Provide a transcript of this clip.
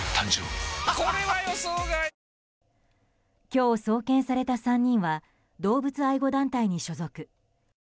今日送検された３人は動物愛護団体に所属。